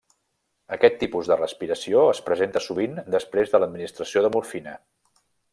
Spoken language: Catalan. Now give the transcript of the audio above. Aquest tipus de respiració es presenta sovint després de l'administració de morfina.